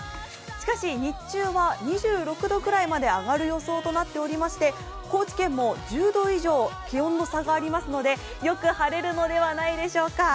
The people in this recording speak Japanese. しかし、日中は２６度くらいまで上がる予想となっておりまして、高知県も１０度以上、気温の差がありますのでよく晴れるのではないでしょうか。